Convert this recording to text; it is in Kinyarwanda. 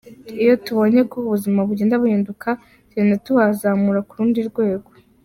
Iyo tubonye ko ubuzima bugenda buhinduka tugenda tubazamura ku rundi rwego.